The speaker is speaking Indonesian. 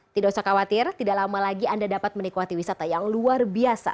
tidak usah khawatir tidak lama lagi anda dapat menikmati wisata yang luar biasa